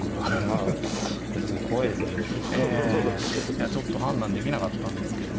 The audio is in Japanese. いやちょっと判断できなかったんですけど。